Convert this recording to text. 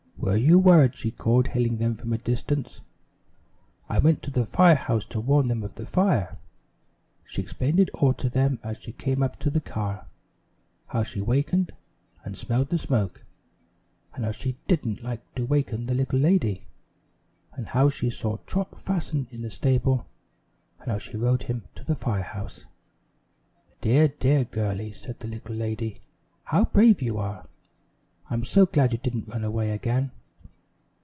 "Were you worried?" she called, hailing them from a distance. "I went to the fire house to warn them of the fire." She explained it all to them as she came up to the car; how she wakened, and smelled the smoke, and how she didn't like to waken the little lady, and how she saw Trot fastened in the stable, and how she rode him to the fire house. "Dear, dear girlie," said the little lady. "How brave you are! I'm so glad you didn't run away again."